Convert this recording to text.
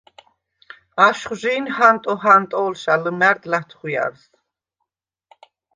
აშხვჟი̄ნ ჰანტო ჰანტო̄ლშა ლჷმა̈რდ ლა̈თხვიარს.